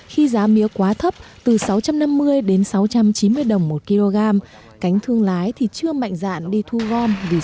khi giá mía quá thấp từ sáu trăm năm mươi đến sáu trăm chín mươi đồng một kg cánh thương lái thì chưa mạnh dạn đi thu gom vì sợ